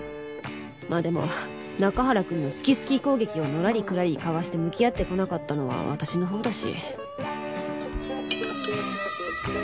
まあでも中原くんの好き好き攻撃をのらりくらりかわして向き合ってこなかったのは私のほうだし